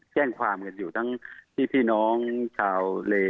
แจ้งความกันอยู่ทั้งพี่น้องชาวเล